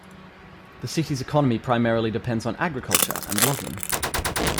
The city's economy primarily depends on agriculture and logging.